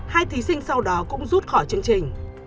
hai thí sinh sau đó cũng rút khỏi chương trình